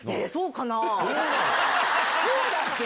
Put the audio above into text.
そうだって！